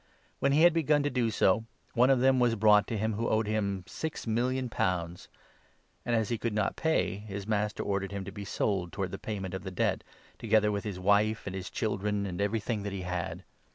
When he had begun 24 to do so, one of them was brought to him who owed him six million pounds ; and, as he could not pay, his master ordered 25 him to be sold towards the payment of the debt, togetherwith his wife, and his children, and everything that he had.